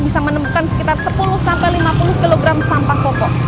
bisa menemukan sekitar sepuluh lima puluh kg sampah pokok